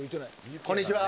こんにちは。